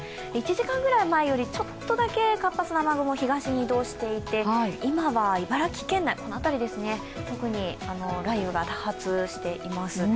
１時間くらい前よりちょっとだけ活発な雲、東に移動していて今は茨城県内、特に雷雨が多発しています。